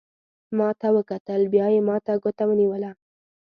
ما ته وکتل، بیا یې ما ته ګوته ونیول.